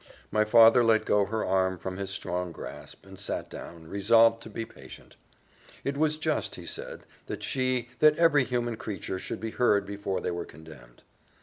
My father let go her arm from his strong grasp, and sat down, resolved to be patient. It was just, he said, that she, that every human creature should be heard before they were condemned.